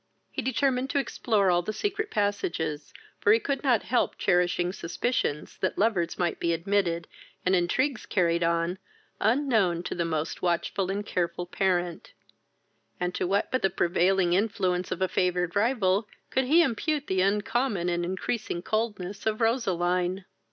He determined to explore all the secret passages, for he could not help cherishing suspicions that lovers might be admitted, and intrigues carried on, unknown to the most watchful and careful parent; and to what but the prevailing influence of a favoured rival could he impute the uncommon and increasing coldness of Roseline?